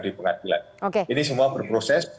di pengadilan ini semua berproses